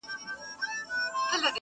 هغه چوپ ناست وي تل